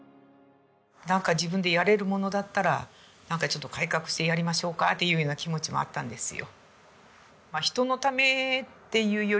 なんか自分でやれるものだったらなんかちょっと改革してやりましょうかっていうような気持ちもあったんですよ。